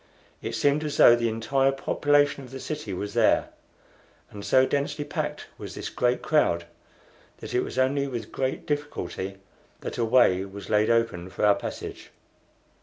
It seemed as though the entire population of the city was there, and so densely packed was this great crowd that it was only with great difficulty that a way was laid open for our passage.